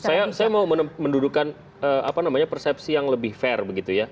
saya mau mendudukan persepsi yang lebih fair begitu ya